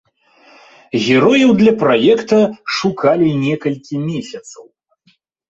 Герояў для праекта шукалі некалькі месяцаў.